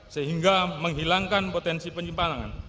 sehingga menghilangkan potensi penyimpanan